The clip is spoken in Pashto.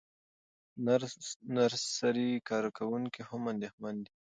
نرسري کارکوونکي هم اندېښمن دي.